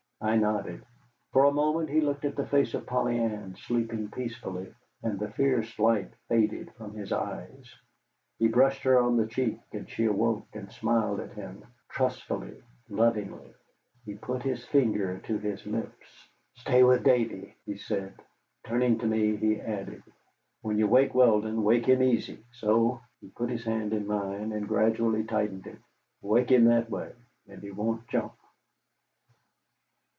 I nodded. For a moment he looked at the face of Polly Ann, sleeping peacefully, and the fierce light faded from his eyes. He brushed her on the cheek and she awoke and smiled at him, trustfully, lovingly. He put his finger to his lips. "Stay with Davy," he said. Turning to me, he added: "When you wake Weldon, wake him easy. So." He put his hand in mine, and gradually tightened it. "Wake him that way, and he won't jump."